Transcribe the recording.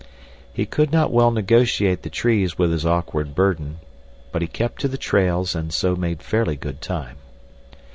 He could not well negotiate the trees with his awkward burden, but he kept to the trails, and so made fairly good time.